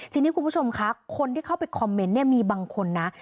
ทีนี้คุณผู้ชมคะคนที่เข้าไปคอมเมนต์เนี่ยมีบางคนนะ